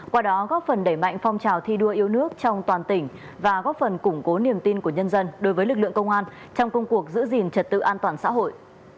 qua đó góp phần đẩy mạnh phong trào thi đua yêu nước trong toàn tỉnh và góp phần củng cố niềm tin của nhân dân đối với lực lượng công an trong công cuộc giữ gìn trật tự an toàn xã hội